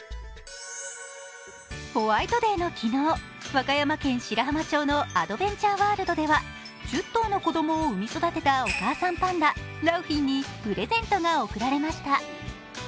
ホワイトデーの昨日、和歌山県白浜町のアドベンチャーワールドでは１０頭の子供を産み育てたお母さんパンダ・良浜にプレゼントが贈られました。